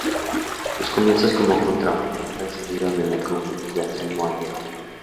Sus comienzos como contrabajista se dieron en el conjunto de Anselmo Aieta.